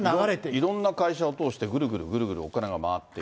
いろんな会社を通してぐるぐるぐるぐるお金が回っている。